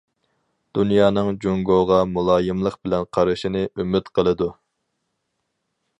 دۇنيانىڭ جۇڭگوغا مۇلايىملىق بىلەن قارىشىنى ئۈمىد قىلىدۇ.